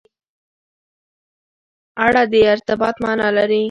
اړه د ارتباط معنا لري.